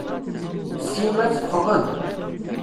Sima teffeɣ-d.